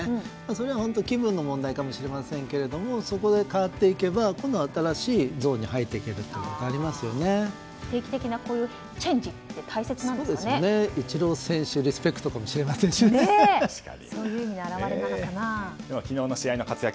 それは本当気分の問題かもしれませんけどそこで変わっていけば、今度新しいゾーンに入っていける定期的なこういうチェンジってイチロー選手リスペクトかも昨日の試合の活躍